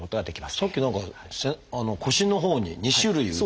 さっき何か腰のほうに２種類打つ。